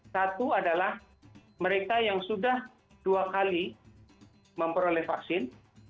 satu adalah mereka yang sudah dua kali memperoleh vaksin